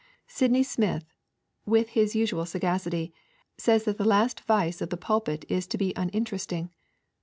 Sydney Smith, with his usual sagacity, says that the last vice of the pulpit is to be uninteresting.